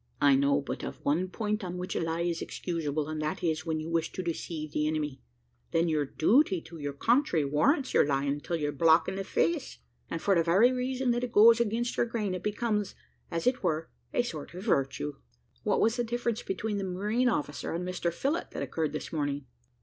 I know but of one point on which a lie is excusable, and that is, when you wish to deceive the enemy. Then your duty to your country warrants your lying till you're black in the face; and, for the very reason that it goes against your grain, it becomes, as if were, a sort of virtue." "What was the difference between the marine officer and Mr Phillott that occurred this morning?"